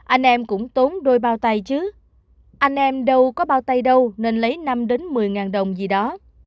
anh em cũng tốn đôi bao tay chứ anh em đâu có bao tay đâu nên lấy năm một mươi đồng gì đó